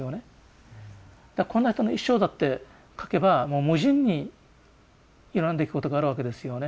だからこんな人の一生だって書けばもう無尽にいろんな出来事があるわけですよね。